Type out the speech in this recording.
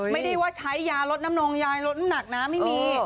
ไม่ได้ว่าใช้ยาลดน้ำหนักนะไม่มี